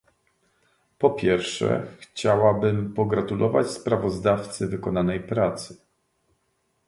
Po pierwsze chciałabym pogratulować sprawozdawcy wykonanej pracy